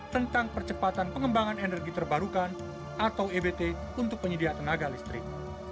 tentang percepatan pengembangan energi terbarukan atau ebt untuk penyedia tenaga listrik